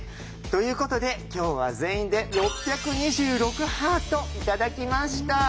ということで今日は全員で６２６ハート頂きました。